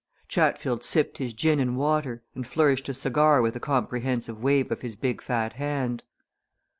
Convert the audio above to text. Chatfield sipped his gin and water, and flourished a cigar with a comprehensive wave of his big fat hand.